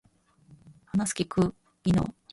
話す聞く技能